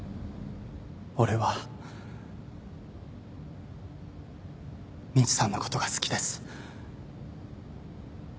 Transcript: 俺はみちさんのことが好きです。